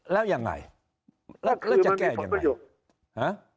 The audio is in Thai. แล้วยังไงแล้วจะแก้ยังไงฮะ